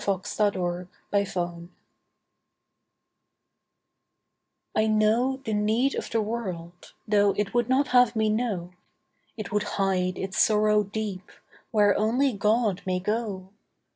THE NEED OF THE WORLD I know the need of the world, Though it would not have me know. It would hide its sorrow deep, Where only God may go.